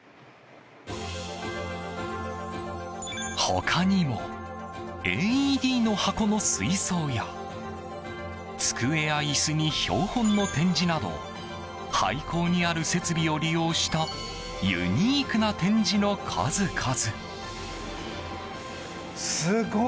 他にもＡＥＤの箱の水槽や机や椅子に標本の展示など廃校にある設備を利用したユニークな展示の数々。